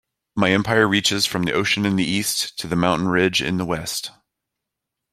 My empire reaches from the ocean in the East to the mountain ridge in the West.